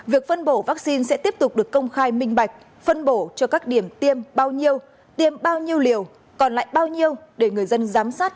việc phân bổ vaccine sẽ tiếp tục được công khai minh bạch phân bổ cho các điểm tiêm bao nhiêu tiêm bao nhiêu liều còn lại bao nhiêu để người dân giám sát